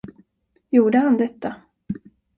Gjorde han detta?